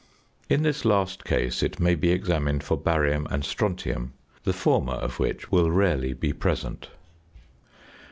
In this last case it may be examined for barium and strontium, the former of which will rarely be present.